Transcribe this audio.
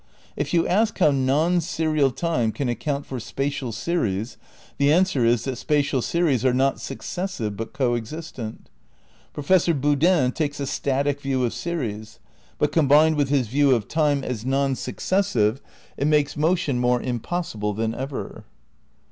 If you ask how non serial time can account for spatial series, the answer is that spatial series are not successive but co existent. Professor Boodin takes a static view of series; but combined with his view of time as non successive, it makes motion more impossible than ever.